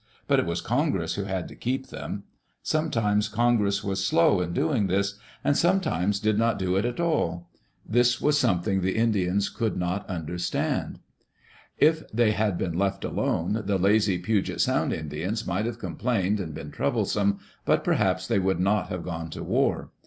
But it was Congress who had to keep them. Sometimes Congress was slow in doing this, and sometimes did not do it at all. This was something the Indians could not understand. If they had been left alone, the lazy Puget Sound Indians might have complamed and been troublesome, but perhaps they would not have gone to war.